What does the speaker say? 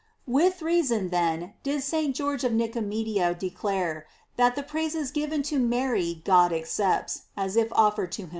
With reason, then, did St. George of Nicomedia declare that the praises given to Mary God accepts, as if offered to himself.